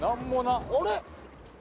あれ？